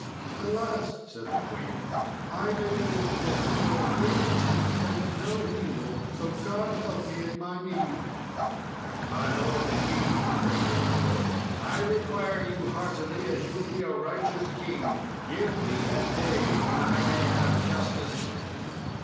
"Alas!" said the queen, "I made this dinner for a good intent, and no evil, so God help me in my need." "My lord the king," said Sir Mador, "I require you heartily as you be a righteous king give me a day when I may have justice."